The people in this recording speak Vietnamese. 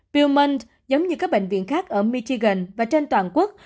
viewman giống như các bệnh viện khác ở michigan và trên toàn quốc